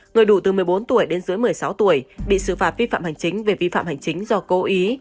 người đủ từ một mươi bốn tuổi đến dưới một mươi sáu tuổi bị xử phạt vi phạm hành chính về vi phạm hành chính do cố ý